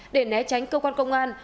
để né tránh cơ quan công an